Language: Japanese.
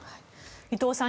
伊藤さん